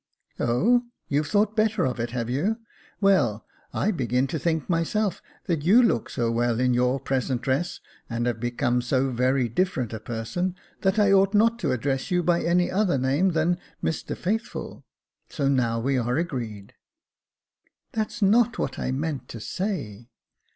" Oh ! you've thought better of it, have you ? Well, I begin to think myself that you look so well in your present dress, and have become so very different a person, that I ought not to address you by any other name than Mr Faithful. So now we are agreed." " That's not what I mean to say."